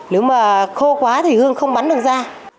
nếu mà khô quá thì hương không bắn được da